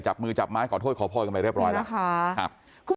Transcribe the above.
จับมือจับไม้ขอโทษขอพรกันไปเรียบร้อยแล้ว